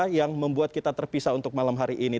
apa yang membuat kita terpisah untuk malam hari ini